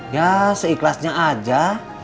ya seikhlasnya aja